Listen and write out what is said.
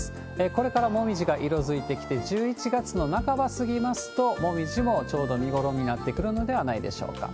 これからモミジが色づいてきて、１１月の半ば過ぎますと、モミジもちょうど見頃になってくるのではないでしょうか。